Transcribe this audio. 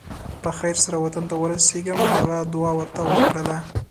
په خیر سره وطن ته ورسېږم هغه دعا ورته وکړله.